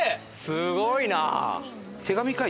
すごいな！